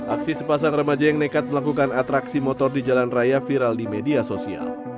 aksi sepasang remaja yang nekat melakukan atraksi motor di jalan raya viral di media sosial